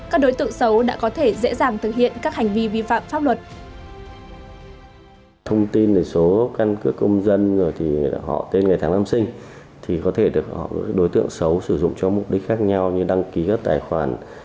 các đối tượng xấu đã có thể dễ dàng thực hiện các hành vi vi phạm